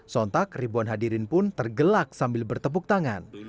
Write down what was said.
sontak ribuan hadirin pun tergelak sambil bertepuk tangan